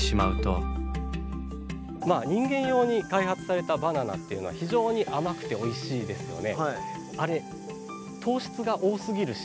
人間用に開発されたバナナっていうのは非常に甘くておいしいですよね。